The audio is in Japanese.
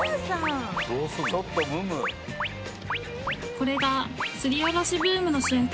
これがすりおろしブームの瞬間